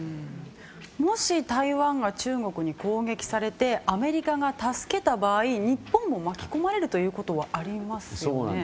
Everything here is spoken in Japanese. もし台湾が中国に攻撃されてアメリカが助けた場合日本も巻き込まれるということはありますよね？